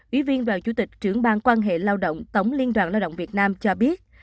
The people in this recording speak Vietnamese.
ủy viên đoàn chủ tịch trưởng ban quan hệ lao động tổng liên đoàn lao động việt nam cho biết